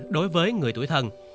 đối với người tuổi thân